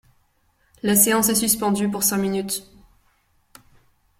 La séance est suspendue pour cinq minutes.